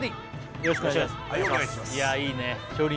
よろしくお願いします